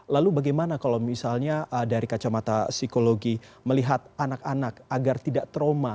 lalu bagaimana kalau misalnya dari kacamata psikologi melihat anak anak agar tidak trauma